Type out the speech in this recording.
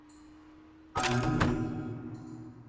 Anhembi